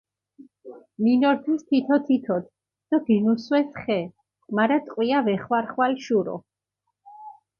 მინორთეს თითო-თითოთ დო გინუსვეს ხე, მარა ტყვია ვეხვარხვალ შურო.